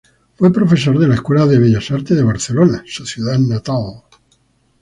Fue profesor de la Escuela de Bellas Artes de Barcelona, su ciudad natal.